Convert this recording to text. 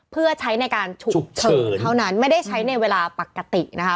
เพื่อใช้ในการฉุกเฉินเท่านั้นไม่ได้ใช้ในเวลาปกตินะคะ